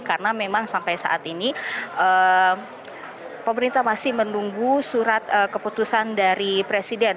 karena memang sampai saat ini pemerintah masih menunggu surat keputusan dari presiden